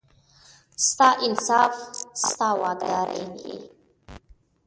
ستا انصاف، ستا واکدارۍ کې،